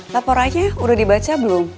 laporannya udah dibaca belum